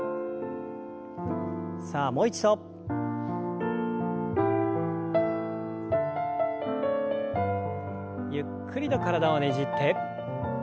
さあもう一度。ゆっくりと体をねじって。